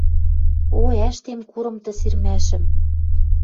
О, ӓштем курым тӹ сирмӓшӹм